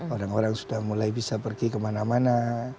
orang orang sudah mulai bisa pergi kemana mana